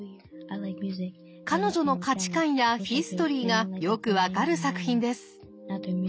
彼女の価値観やヒストリーがよく分かる作品です。